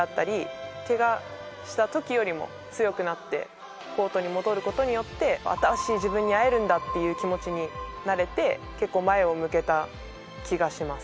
ケガした時よりも強くなってコートに戻る事によって新しい自分に会えるんだっていう気持ちになれて結構前を向けた気がします。